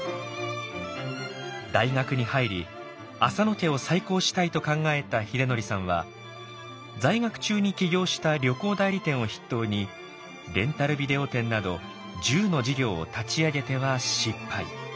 大学に入り「淺野家を再興したい」と考えた秀則さんは在学中に起業した旅行代理店を筆頭にレンタルビデオ店など１０の事業を立ち上げては失敗。